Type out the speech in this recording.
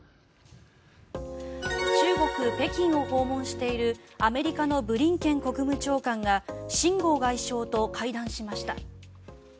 中国・北京を訪問しているアメリカのブリンケン国務長官が秦剛外相と会談しました。